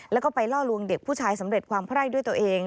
แล้วก็ไปล่อลวงเด็กผู้ชายสำเร็จความไพร่ด้วยตัวเอง